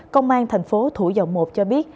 công an thành phố thủ dòng một cho biết